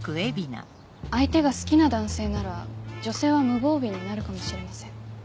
相手が好きな男性なら女性は無防備になるかもしれません。